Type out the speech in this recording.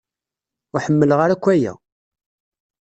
Ur ḥemmleɣ ara akk aya.